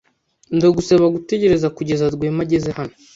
Ndagusaba gutegereza kugeza Rwema ageze hano.